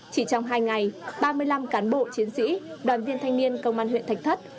chỉ trong hai ngày ba mươi năm cán bộ chiến sĩ đoàn viên thanh niên công an huyện thạch thất